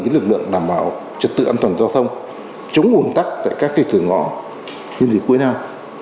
với lực lượng đảm bảo trật tự an toàn giao thông chống buồn tắc tại các cây cửa ngõ như dịp cuối năm